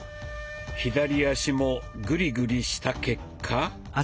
左足もグリグリした結果。